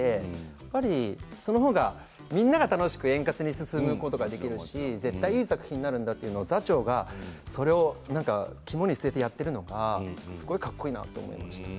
やはりその方が、みんなが楽しく円滑に進むことができるし絶対いい作品になるんだというのを座長がそれを肝に据えてやっているのがすごいかっこいいなと思いました。